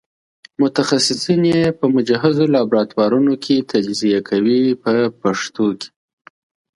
متخصصین یې په مجهزو لابراتوارونو کې تجزیه کوي په پښتو کې.